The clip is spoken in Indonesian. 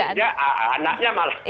akhirnya anaknya malah